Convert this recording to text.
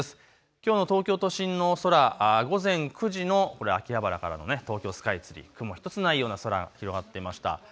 きょうの東京都心の空、午前９時の秋葉原からの東京スカイツリー、雲一つないような空、広がっていました。